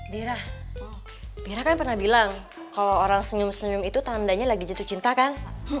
dira mira kan pernah bilang kalau orang senyum senyum itu tandanya lagi jatuh cinta kan